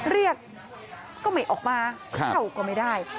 เรียกก็ไม่ออกมาเข้าก็ไม่ได้